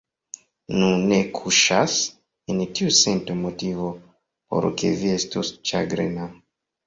Nu, ne kuŝas en tiu sento motivo, por ke vi estu ĉagrena.